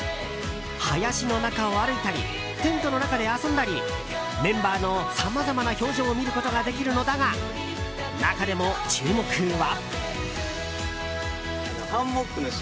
林の中を歩いたりテントの中で遊んだりメンバーのさまざまな表情を見ることができるのだが中でも注目は。